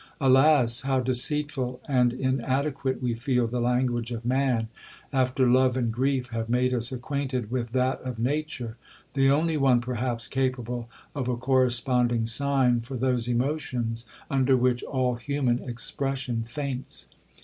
—Alas! how deceitful and inadequate we feel the language of man, after love and grief have made us acquainted with that of nature!—the only one, perhaps, capable of a corresponding sign for those emotions, under which all human expression faints.